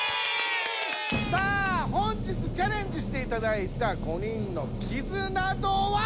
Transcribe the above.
本日チャレンジしていただいた５人の絆度は！